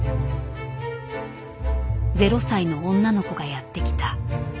０歳の女の子がやって来た。